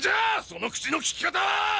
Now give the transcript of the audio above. その口のきき方は！？